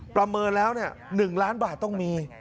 ประเมินแล้ว๑ล้านบาทต้องมี